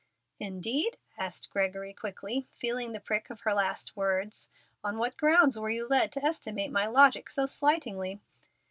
"Indeed?" asked Gregory, quickly, feeling the prick of her last words; "on what grounds were you led to estimate my logic so slightingly?"